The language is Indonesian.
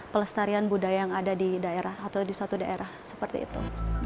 pelestarian budaya yang ada di daerah atau di suatu daerah seperti itu